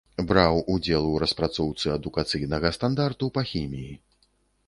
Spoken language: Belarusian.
Браў удзел у распрацоўцы адукацыйнага стандарту па хіміі.